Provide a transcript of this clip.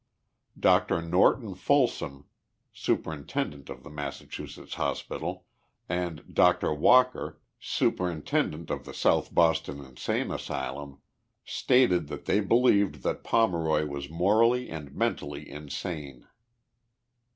Dr. Norton Folsom, superintendent of the Massachusetts hospital, and Dr. Walker, superintendent of the South Boston Insane Asylum, stated that they believed that Pomeroy was morally and mentally insane.